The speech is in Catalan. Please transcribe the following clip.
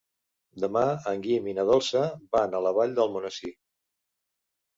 Demà en Guim i na Dolça van a la Vall d'Almonesir.